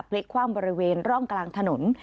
พลิกคว่ำบริเวณร่องกลางถนน